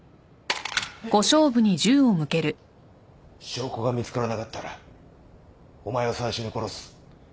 証拠が見つからなかったらお前を最初に殺す。